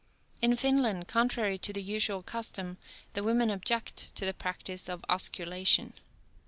In Finland, contrary to the usual custom, the women object to the practice of osculation.